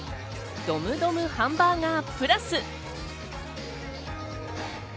ドムドムハンバーガーＰＬＵＳ。